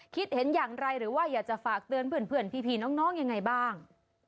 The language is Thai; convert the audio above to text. คิดเห็นอย่างไรหรือว่าอยากจะฝากเตือนเพื่อนพี่น้องยังไงบ้าง